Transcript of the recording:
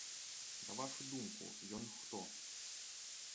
На вашу думку, ён хто?